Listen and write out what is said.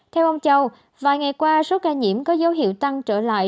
theo ông châu vài ngày qua số ca nhiễm có dấu hiệu tăng trở lại